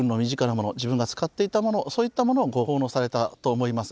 自分が使っていたものそういったものをご奉納されたと思います。